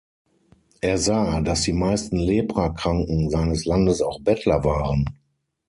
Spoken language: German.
Er sah, dass die meisten Leprakranken seines Landes auch Bettler waren.